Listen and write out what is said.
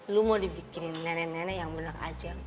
lu mau di bikin iasha nana yang enak aja